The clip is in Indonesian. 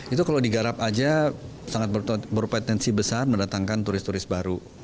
itu kalau digarap saja sangat berpotensi besar mendatangkan turis turis baru